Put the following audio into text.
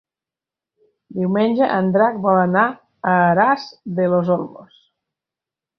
Diumenge en Drac vol anar a Aras de los Olmos.